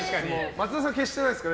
松田さん、消してないですか？